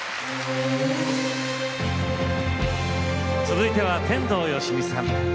続いては、天童よしみさん。